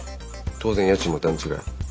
当然家賃も段違い。